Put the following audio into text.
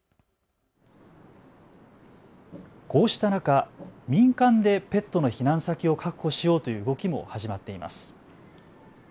こうした中、民間でペットの避難先を確保しようという動きも始まっています。